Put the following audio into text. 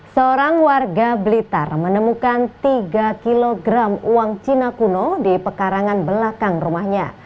seorang warga blitar menemukan tiga kg uang cina kuno di pekarangan belakang rumahnya